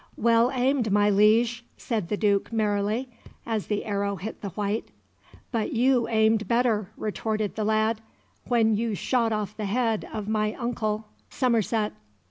"Well aimed, my liege," said the Duke merrily, as the arrow hit the white. "But you aimed better," retorted the lad, "when you shot off the head of my uncle Somerset."